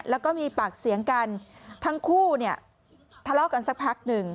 แล้วก็มีปากเสียงกันทั้งคู่เนี่ยทะเลาะกันสักพักหนึ่ง